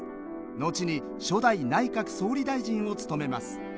後に初代内閣総理大臣を務めます。